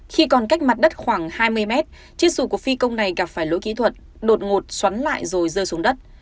khi còn cách mặt đất khoảng hai mươi mét chiếc sùa của phi công này gặp phải lỗi kỹ thuật đột ngột xoắn lại rồi rơi xuống đất